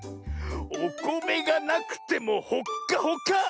おこめがなくてもほっかほか！